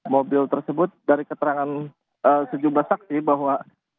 mobil tersebut dari keterangan sejumlah saksi bahwa